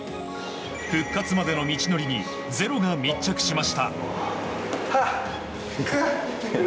復活までの道のりに「ｚｅｒｏ」が密着しました。